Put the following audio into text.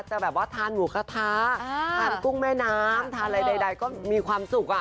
จะแบบว่าทานหมูกระทะทานกุ้งแม่น้ำทานอะไรใดก็มีความสุขอ่ะ